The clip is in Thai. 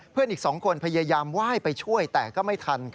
อีก๒คนพยายามไหว้ไปช่วยแต่ก็ไม่ทัน